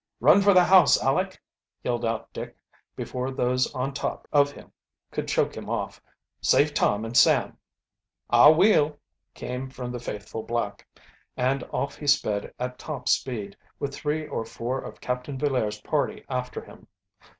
"Run for the house, Aleck!" yelled, out Dick, before those on top of him could choke him off. "Save Tom and Sam! "I will!" came from the faithful black. And off he sped at top speed, with three or four of Captain Villaire's party after him.